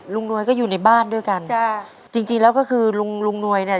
นวยก็อยู่ในบ้านด้วยกันจ้ะจริงจริงแล้วก็คือลุงลุงนวยเนี่ย